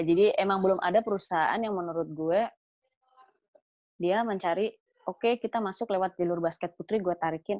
jadi emang belum ada perusahaan yang menurut gue dia mencari oke kita masuk lewat dilur basket putri gue tarikin